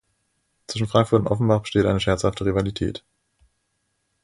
Zwischen Frankfurt und Offenbach besteht eine scherzhafte Rivalität.